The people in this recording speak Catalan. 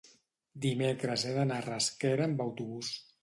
dimecres he d'anar a Rasquera amb autobús.